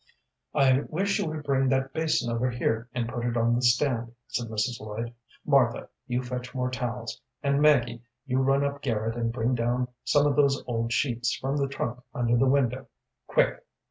"I wish you would bring that basin over here, and put it on the stand," said Mrs. Lloyd. "Martha, you fetch more towels, and, Maggie, you run up garret and bring down some of those old sheets from the trunk under the window, quick."